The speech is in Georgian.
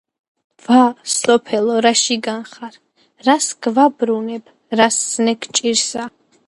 ვა, სოფელო რაშიგან ხარ, რას გვაბრუნებ, რა ზნე გჭირსა